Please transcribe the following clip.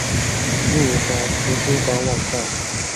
路环图书馆网站